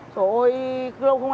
thôi lâu không ăn